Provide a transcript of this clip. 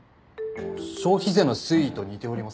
消費税の推移と似ております。